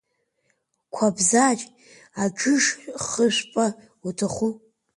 Қәабзач, аџыш хышәпа уҭаху?